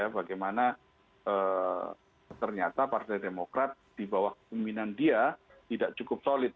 bagaimana ternyata partai demokrat di bawah pimpinan dia tidak cukup solid